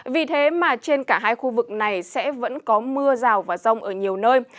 vì thế mà trên cả hai khu vực này sẽ vẫn có mưa rào và rông ở nhiều nơi